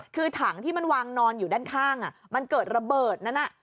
คือถังที่มันวางนอนอยู่ด้านข้างมันเกิดระเบิดนั้น